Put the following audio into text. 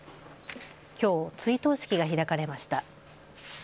きょう、追悼式が開かれました。